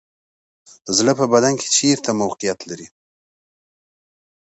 زړه په بدن کې چیرته موقعیت لري